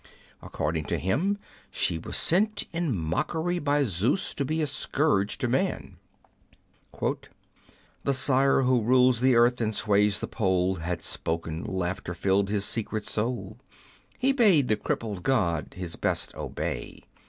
According to him, she was sent in mockery by Zeus to be a scourge to man :— The Sire who rules the earth and sways the pole Had spoken ; laughter fill'd his secret soul : He bade the crippled god his hest obey.